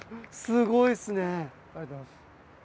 すごいっすね。